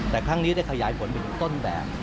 แต่ครั้งนี้ได้ขยายผลไปถึงต้นแบบ